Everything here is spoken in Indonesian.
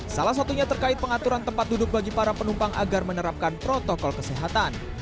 salah satunya terkait pengaturan tempat duduk bagi para penumpang agar menerapkan protokol kesehatan